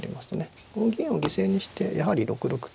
この銀を犠牲にしてやはり６六桂